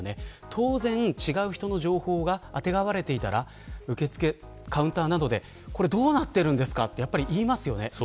当然、違う人の情報があてがわれていたら受付、カウンターなどでどうなっているんですかと言いますよね。